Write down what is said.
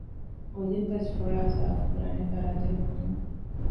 އޮލިމްޕަސް ފޮޅާ ސާފުކުރާނެ ފަރާތެއް ހޯދުމަށް